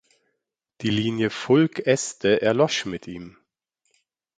Die Linie "Fulc-Este" erlosch mit ihm.